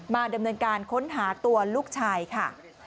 ดำเนินการค้นหาตัวลูกชายค่ะ